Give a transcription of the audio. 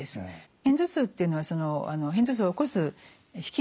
片頭痛っていうのはその片頭痛を起こす引き金ですね